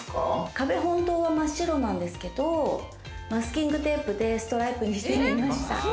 壁、本当は真っ白なんですけれども、マスキングテープでストライプにしてみました。